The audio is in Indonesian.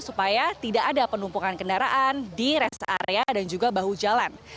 supaya tidak ada penumpukan kendaraan di rest area dan juga bahu jalan